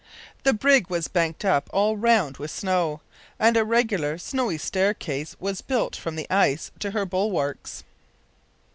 The brig was banked up all round with snow, and a regular snowy staircase was built from the ice to her bulwarks.